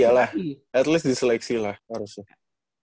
iya lah at least diseleksi lah harusnya